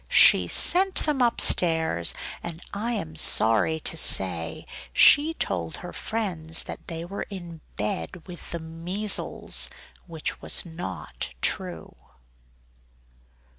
She sent them upstairs; and I am sorry to say she told her friends that they were in bed with the measles; which was not true.